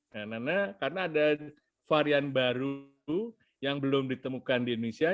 karena ada varian baru yang belum ditemukan di indonesia